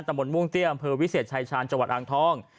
ตะบนมุ่งเตี้ยมเพือวิเศษชายชาญจัวร์อังทอง